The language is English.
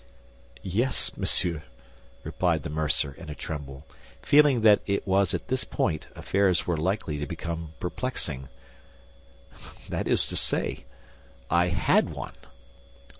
"Yes, monsieur," replied the mercer, in a tremble, feeling that it was at this point affairs were likely to become perplexing; "that is to say, I had one."